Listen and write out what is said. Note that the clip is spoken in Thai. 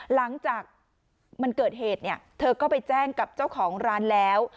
หลังจากมันเกิดเหตุเนี่ยเธอก็ไปแจ้งกับเจ้าของร้านแล้ว